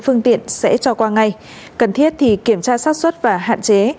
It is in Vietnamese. phương tiện sẽ cho qua ngay cần thiết thì kiểm tra sát xuất và hạn chế